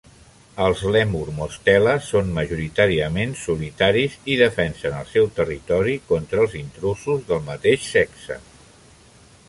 Els lèmurs mostela són, majoritàriament, solitaris i defensen el seu territori contra els intrusos del mateix sexe.